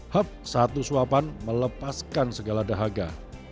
hub satu suapan melepaskan segala dahaga